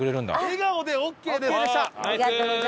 笑顔でオーケーです。